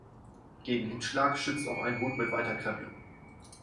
Gegen Hitzschlag schützt auch ein Hut mit weiter Krempe.